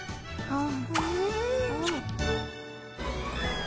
ああ。